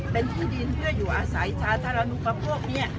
เป็นที่ดินเพื่ออยู่อาศัยสาธารณุประโปรบเนี้ย